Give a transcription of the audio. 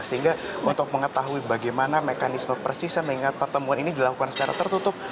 sehingga untuk mengetahui bagaimana mekanisme persisan mengingat pertemuan ini dilakukan secara tertutup